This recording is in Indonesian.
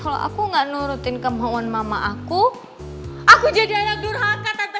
kalau aku gak nurutin kemohon mama aku aku jadi anak durhaka tante